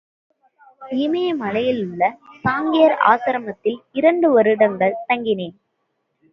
இமயமலையிலுள்ள சாங்கியர் ஆசிரமத்தில் இரண்டாண்டுகள் தங்கினேன்.